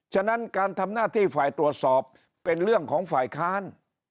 ฉะนั้นการทำหน้าที่ฝ่ายตรวจสอบเป็นเรื่องของฝ่ายค้าน